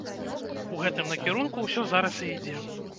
У гэтым накірунку ўсё зараз і ідзе.